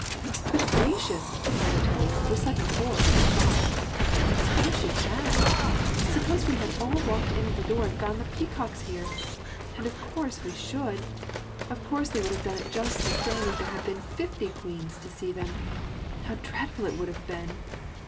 "Good gracious," cried Otillie with sudden horror at the thought, "suppose she had! Suppose we had all walked in at that door and found the peacocks here! And of course we should! Of course they would have done it just the same if there had been fifty queens to see them! How dreadful it would have been!